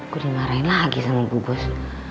gue dimarahin lagi sama bu bos